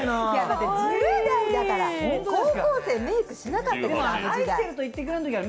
だって１０代だから、高校生メークしなかったから、あの時代。